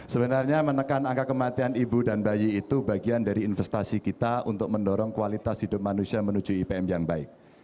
sebenarnya menekan angka kematian ibu dan bayi itu bagian dari investasi kita untuk mendorong kualitas hidup manusia menuju ipm yang baik